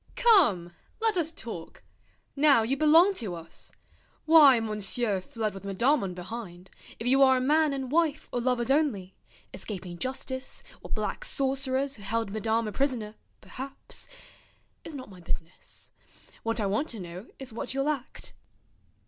Come! let us talk. Now you belong to us. Why Monsieur fled with Madame on behind, If you are man and wife or lovers only, Escaping justice, or black sorcerers Who held Madame a prisoner, perhaps— Is not my business. What I want to know Is what you'll act.